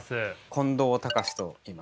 近藤隆史といいます。